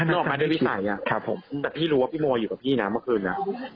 นอกมาด้วยวิสัยแต่พี่รู้ว่าพี่โมอยู่กับพี่นะเมื่อคืน